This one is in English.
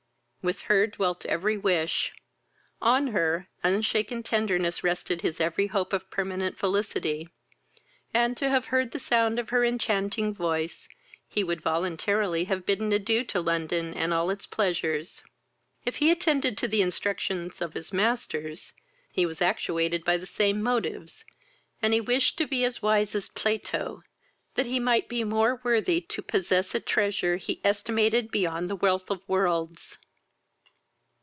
With her dwelt every wish, on her unshaken tenderness rested his every hope of permanent felicity; and, to have heard the sound of her enchanting voice, he would voluntarily have bidden adieu to London, and all its pleasures. If he attended to the instructions of his masters, he was actuated by the same motives, and he wished to be as wise as Plato, that he might be more worthy to possess a treasure he estimated beyond the wealth of worlds.